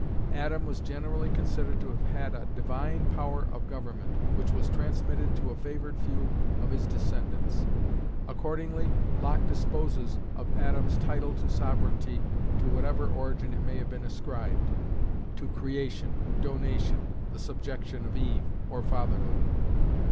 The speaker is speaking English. Adam was generally considered to have had a divine power of government, which was transmitted to a favored few of his descendants. Accordingly Locke disposes of Adam's title to sovereignty to whatever origin it may have been ascribed, to "creation," "donation," "the subjection of Eve," or "fatherhood."